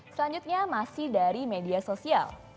selanjutnya masih dari media sosial